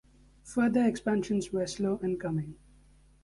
Further expansions were slow in coming.